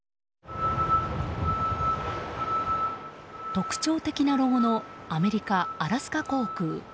特徴的なロゴのアメリカアラスカ航空。